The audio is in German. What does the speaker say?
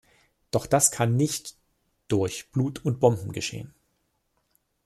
Doch das kann nicht durch Blut und Bomben geschehen.